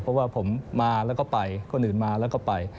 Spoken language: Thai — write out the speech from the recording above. เพราะว่าผมมาแล้วก็ไปคนอื่นมาแล้วก็ไป